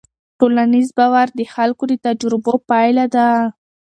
ټولنیز باور د خلکو د تجربو پایله ده.